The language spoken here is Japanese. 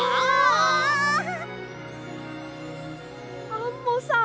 アンモさん